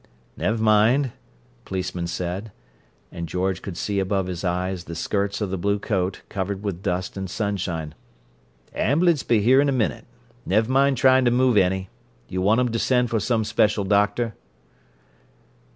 "Nev' mind," a policeman said; and George could see above his eyes the skirts of the blue coat, covered with dust and sunshine. "Amb'lance be here in a minute. Nev' mind tryin' to move any. You want 'em to send for some special doctor?"